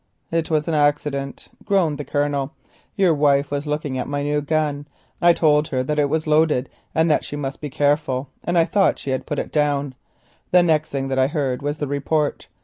"It was an accident," groaned the Colonel. "Your wife was looking at my new gun. I told her it was loaded, and that she must be careful, and I thought she had put it down. The next thing that I heard was the report.